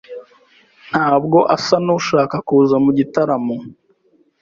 Ntabwo asa nushaka kuza mu gitaramo.